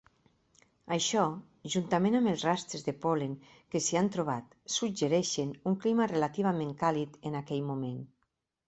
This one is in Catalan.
Això, juntament amb els rastres de pol·len que s'hi han trobat, suggereixen un clima relativament càlid en aquell moment.